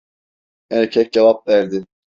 Erkek cevap verdi: